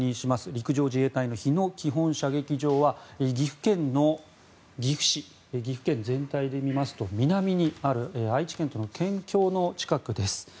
陸上自衛隊の日野基本射撃場は岐阜県の岐阜市岐阜県全体で見ますと南にある愛知県との県境の近くです。